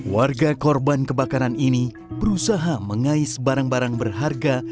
warga korban kebakaran ini berusaha mengais barang barang berharga